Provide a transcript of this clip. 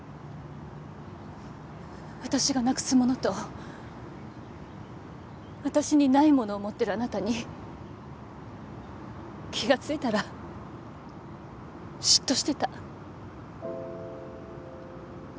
私がなくすものと私にないものを持ってるあなたに気が付いたら嫉妬してた。